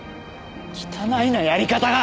汚いなやり方が！